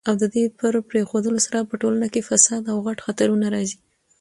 او ددي په پريښودلو سره په ټولنه کي فساد او غټ خطرونه راځي